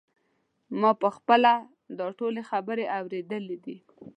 ما په خپله دا ټولې خبرې اورېدلې دي.